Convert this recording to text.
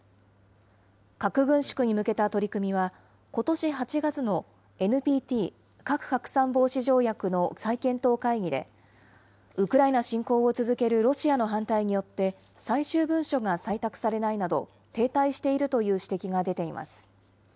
核軍縮に向けた取り組みは、ことし８月のＮＰＴ・核拡散防止条約の再検討会議で、ウクライナ侵攻を続けるロシアの反対によって、最終文書が採択されないなど、停滞しているという指摘が出ています。